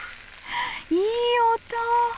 いい音！